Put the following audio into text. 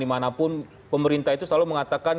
dimanapun pemerintah itu selalu mengatakan